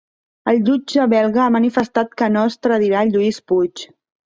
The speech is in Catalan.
El jutge belga ha manifestat que no extradirà Lluís Puig